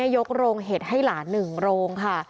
ยกโรงเหตุให้ล่านหนึ่งโรงค่ะ